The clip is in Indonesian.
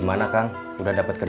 jangan lupa klik tombol